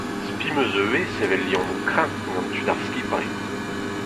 Spi 'm eus ivez sevel liammoù kreñv gant tud ar skipailh.